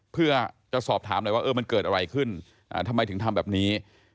เพื่อจะสอบถามหน่อยว่ามันเกิดอะไรขึ้นทำไมถึงทำแบบนี้